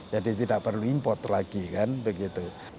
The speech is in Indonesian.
jadi tidak perlu import lagi kan begitu